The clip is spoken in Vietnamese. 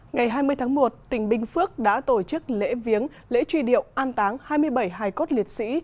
ngày hai mươi tháng một tỉnh binh phước đã tổ chức lễ viếng lễ truy điệu an táng hai mươi bảy hài cốt liệt sĩ